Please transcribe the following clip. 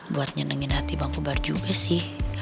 buat nyenengin hati bang ubar juga sih